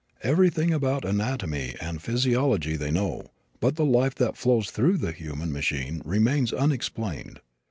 Everything about anatomy and physiology they know, but the life that flows through the human machine remains unexplained.